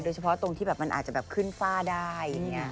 เฉพาะตรงที่แบบมันอาจจะแบบขึ้นฝ้าได้อย่างนี้